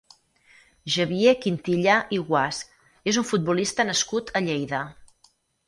Xavier Quintillà i Guasch és un futbolista nascut a Lleida.